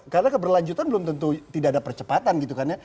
karena keberlanjutan belum tentu tidak ada percepatan gitu kan ya